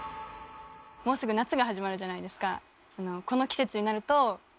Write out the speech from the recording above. もうすぐ夏が始まるじゃないですか。